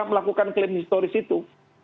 melakukan klaim historis itu